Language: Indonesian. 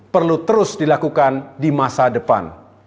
perlu terus dilakukan di masa depan